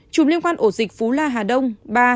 chủng liên quan ổ dịch phú la hà đông ba